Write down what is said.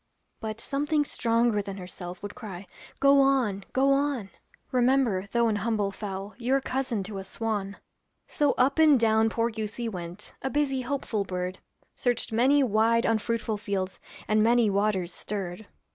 But something stronger than herself Would cry, 'Go on, go on!' Remember, though an humble fowl, You're cousin to a swan.' So up and down poor goosey went, A busy, hopeful bird. Searched many wide unfruitful fields, And many waters stirred.